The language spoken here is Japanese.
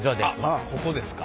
あっここですか。